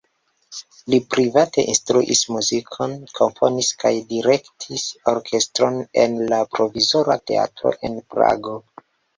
Li private instruis muzikon, komponis kaj direktis orkestron en la Provizora Teatro en Prago.